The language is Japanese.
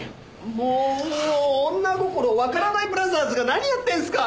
もう女心がわからないブラザーズが何やってんすか！